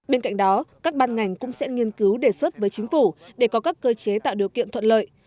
bên cạnh đó các ban ngành cũng sẽ nghiên cứu đề xuất với chính phủ để có các cơ chế tạo điều kiện thuận lợi